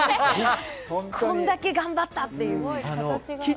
これだけ頑張ったっていうね。